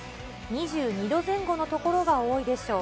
２２度前後の所が多いでしょう。